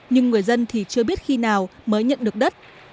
nhưng người dân thì chưa biết khi nào mới nhận được đất